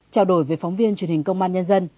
trao đổi với phóng viên truyền hình công an nhân dân